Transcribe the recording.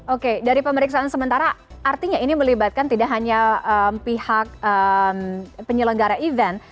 oke dari pemeriksaan sementara artinya ini melibatkan tidak hanya pihak penyelenggara event